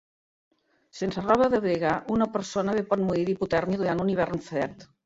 Sense roba d'abrigar, una persona bé pot morir d'hipotèrmia durant un hivern fred.